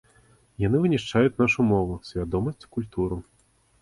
Яны вынішчаюць нашу мову, свядомасць, культуру!